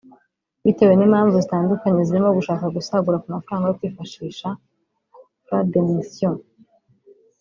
bitewe n’impamvu zitandukanye zirimo gushaka gusagura ku mafaranga yo kwifashisha (Frais de missions)